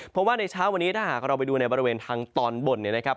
เพราะว่าในเช้าวันนี้ถ้าหากเราไปดูในบริเวณทางตอนบนเนี่ยนะครับ